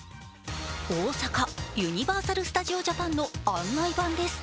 大阪、ユニバーサル・スタジオ・ジャパンの案内板です。